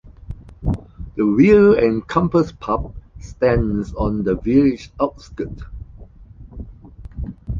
The Wheel and Compass pub stands on the village's outskirts.